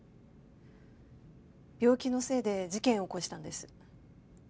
病気のせいで事件を起こしたんです。